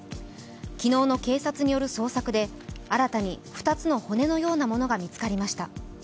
昨日の警察による捜索で新たに２つの骨のようなものが見つかりました。